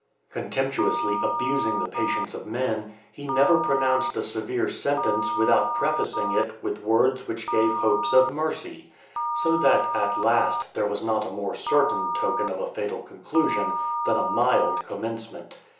Contemptuously abusing the patience of men, he never pronounced a severe sentence without prefacing it (489) with words which gave hopes of mercy; so that, at last, there was not a more certain token of a fatal conclusion, than a mild commencement.